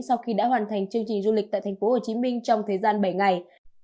sau khi đã hoàn thành chương trình du lịch tại thành phố hồ chí minh trong thời gian bảy ngày